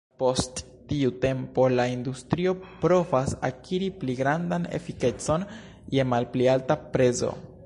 Post tiu tempo, la industrio provas akiri pli grandan efikecon je malpli alta prezo.